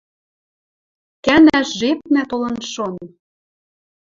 Кӓнӓш жепнӓ толын шон.